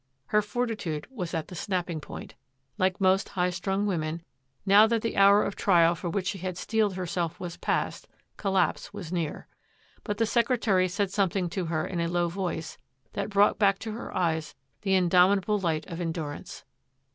Her fortitude was at the snapping point. Like most high strung women, now that the hour of trial for which she had steeled herself was past, collapse was near. But the secretary said some thing to her in a low voice that brought back to her eyes the indomitable light of endurance.